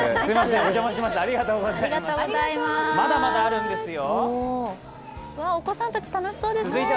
まだまだあるんですよ。